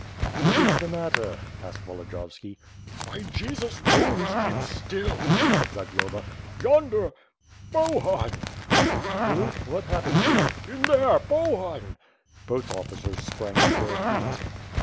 "What is the matter?" asked Volodiyovski. "By Jesus' wounds, keep still!" said Zagloba. "Yonder! ... Bohun!" "Who? What happened to you?" "In there— Bohun!" Both officers sprang to their feet.